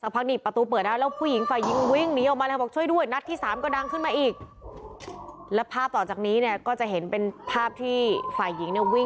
ไม่รู้เลย